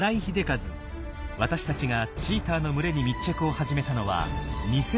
私たちがチーターの群れに密着を始めたのは２０１７年。